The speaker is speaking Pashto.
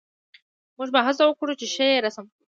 موږ به هڅه وکړو چې ښه یې رسم کړو